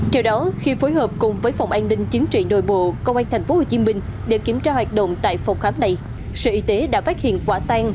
theo đó khi phối hợp cùng với phòng an ninh chính trị nội bộ công an tp hcm để kiểm tra hoạt động tại phòng khám này sở y tế đã phát hiện quả tăng